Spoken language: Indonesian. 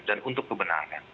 dan untuk kebenaran